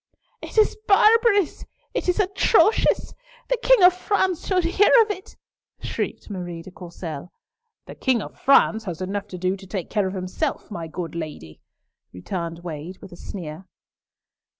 "It is barbarous! It is atrocious! The King of France shall hear of it," shrieked Marie de Courcelles. "The King of France has enough to do to take care of himself, my good lady," returned Wade, with a sneer.